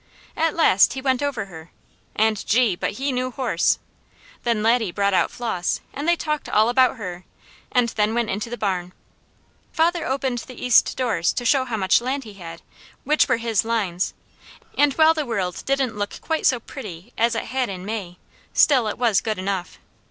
At last he went over her, and gee! but he knew horse! Then Laddie brought out Flos and they talked all about her, and then went into the barn. Father opened the east doors to show how much land he had, which were his lines; and while the world didn't look quite so pretty as it had in May, still it was good enough.